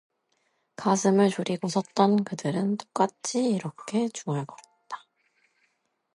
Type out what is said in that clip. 가슴을 졸이고 섰던 그들은 똑같이 이렇게 중얼거렸다.